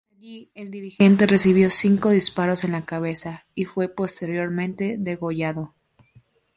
Allí, el dirigente recibió cinco disparos en la cabeza y fue posteriormente degollado.